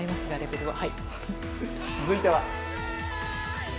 続いては。